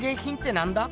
なんだ？